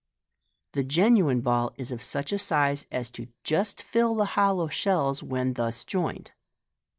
The genuine ball is of such a size as just to fill the hollow shtlls when thus joined.